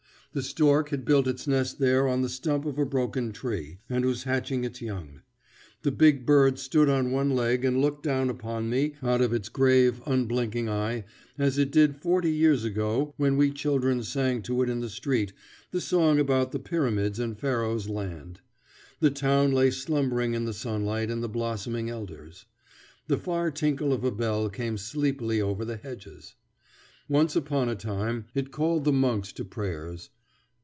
The stork had built its nest there on the stump of a broken tree, and was hatching its young. The big bird stood on one leg and looked down upon me out of its grave, unblinking eye as it did forty years ago when we children sang to it in the street the song about the Pyramids and Pharaoh's land. The town lay slumbering in the sunlight and the blossoming elders. The far tinkle of a bell came sleepily over the hedges. Once upon a time it called the monks to prayers.